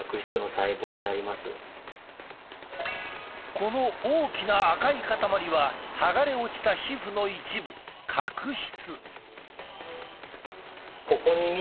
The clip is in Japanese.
この大きな赤い塊は剥がれ落ちた皮膚の一部角質。